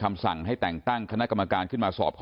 ครับนักคุยกันพรุ่งนี้ครับ